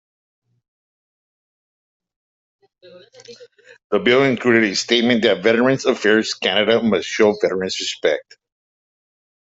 The bill included a statement that Veterans Affairs Canada must show veterans respect.